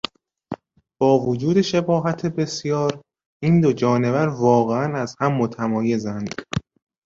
با وجود شباهت بسیار، این دو جانور واقعا از هم متمایزند.